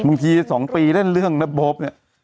มึงทีที่สองปีเล่นเรื่องนะโป๊บ